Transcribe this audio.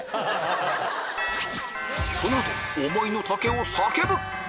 この後思いの丈を叫ぶ！